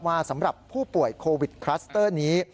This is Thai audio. สำหรับผู้ป่วยโควิดคลัสเตอร์นี้